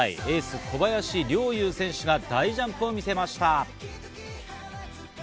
エース・小林陵侑選手が大ジャンプを見せました。